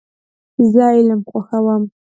زه علم خوښوم .